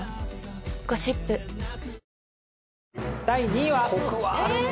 第２位は。